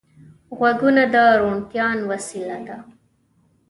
غوږونه د روڼتیا وسیله ده